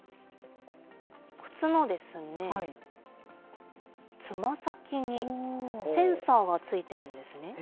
靴のつま先に、センサーがついてるんですね。